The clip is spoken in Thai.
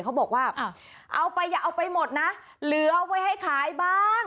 เขาบอกว่าเอาไปอย่าเอาไปหมดนะเหลือไว้ให้ขายบ้าง